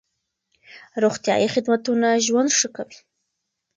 روغتيايي خدمتونه ژوند ښه کوي.